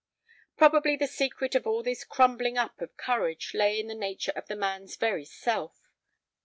Probably the secret of all this crumbling up of courage lay in the nature of the man's very self.